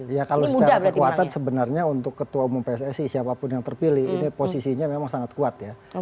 ya kalau secara kekuatan sebenarnya untuk ketua umum pssi siapapun yang terpilih ini posisinya memang sangat kuat ya